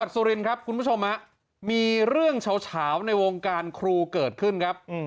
สุรินครับคุณผู้ชมมีเรื่องเฉาในวงการครูเกิดขึ้นครับ